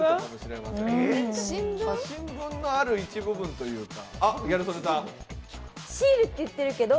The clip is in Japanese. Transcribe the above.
新聞のある一部分というか。